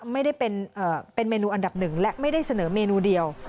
ไม่ได้เป็นเมนูอันดับหนึ่งและไม่ได้เสนอเมนูเดียว